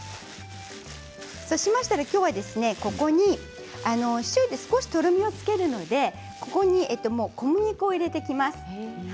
そうしましたら、今日はここにシチューでとろみをつけるのでここに小麦粉を入れていきます。